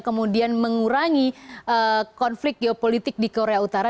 kemudian mengurangi konflik geopolitik di korea utara